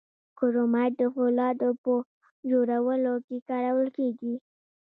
کرومایټ د فولادو په جوړولو کې کارول کیږي.